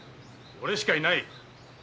オレしかいない。